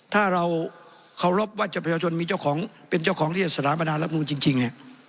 ถ้าเราเคารพว่าประชาชนมีเจ้าของเป็นเจ้าของที่จะสถาปนารับนูนจริง